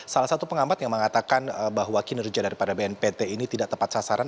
salah satu pengamat yang mengatakan bahwa kinerja daripada bnpt ini tidak tepat sasaran